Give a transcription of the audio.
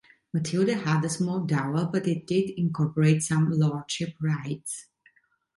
Matilda had a small dower but it did incorporate some lordship rights.